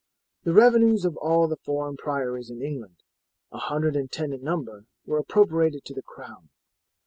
The revenues of all the foreign priories in England, a hundred and ten in number, were appropriated to the crown.